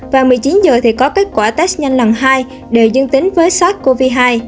và một mươi chín giờ thì có kết quả test nhanh lần hai đều dương tính với sars cov hai